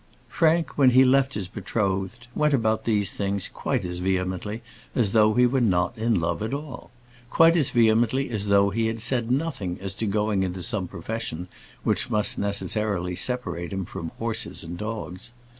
Frank, when he left his betrothed, went about these things quite as vehemently as though he were not in love at all; quite as vehemently as though he had said nothing as to going into some profession which must necessarily separate him from horses and dogs.